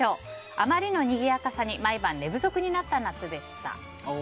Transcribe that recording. あまりのにぎやかさに毎晩、寝不足になった夏でした。